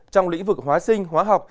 trong lĩnh vực hóa sinh hóa học